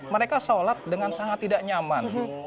mereka sholat dengan sangat tidak nyaman